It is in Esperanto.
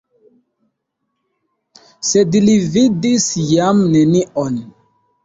Sed li vidis jam nenion.